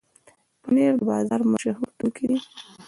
پنېر د بازار مشهوره توکي دي.